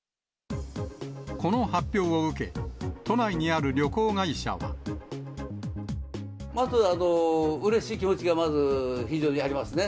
この発表を受け、都内にあるまず、うれしい気持ちがまず非常にありますね。